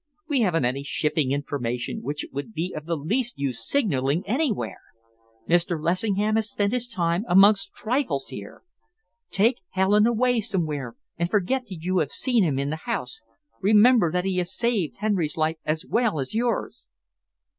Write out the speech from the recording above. We haven't any shipping information which it would be of the least use signalling anywhere. Mr. Lessingham has spent his time amongst trifles here. Take Helen away somewhere and forget that you have seen him in the house. Remember that he has saved Henry's life as well as yours."